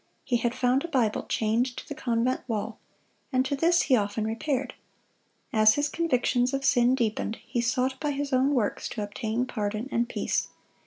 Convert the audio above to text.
He had found a Bible chained to the convent wall, and to this he often repaired. As his convictions of sin deepened, he sought by his own works to obtain pardon and peace.